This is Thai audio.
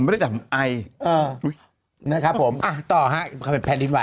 ผมไม่ได้ดำไอนะครับผมต่อครับคำเป็นแผ่นดินไหว